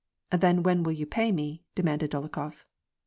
" Then when will you pay me ?" demanded Dolokhof.